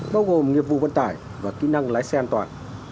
bao gồm nghiệp vụ vận tải và kỹ năng lái xe an toàn